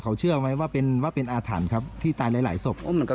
เขาเชื่อไหมว่าเป็นว่าเป็นอาถรรพ์ครับที่ตายหลายหลายศพมันก็